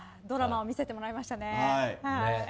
ドラマを見せてもらいましたね。